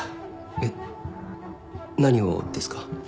えっ何をですか？